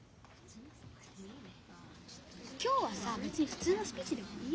今日はさべつにふつうのスピーチでもいいよね。